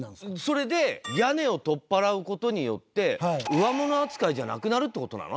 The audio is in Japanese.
それで屋根を取っ払う事によって上物扱いじゃなくなるって事なの？